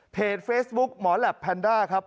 เฟซบุ๊กหมอแหลปแพนด้าครับ